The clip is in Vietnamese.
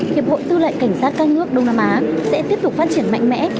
hiệp hội tư lệnh cảnh sát các nước đông nam á sẽ tiếp tục phát triển mạnh mẽ